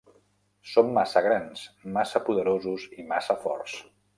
Som massa grans, massa poderosos i massa forts.